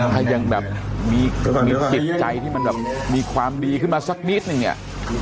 ถ้ายังแบบมีจิตใจที่มันแบบมีความดีขึ้นมาสักนิดนึงเนี่ย